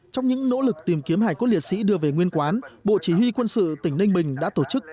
trong những nỗ lực tìm kiếm hải cốt liệt sĩ đưa về nguyên quán bộ chỉ huy quân sự tỉnh ninh bình đã tổ chức